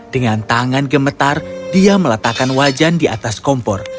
dengan tangan gemetar dia meletakkan wajan di atas kompor